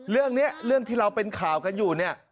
เรื่องนี้เรื่องที่เราเป็นข่าวกันอยู่เนี่ย